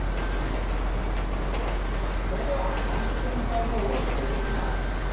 それでは味付けの材料を入れていきます。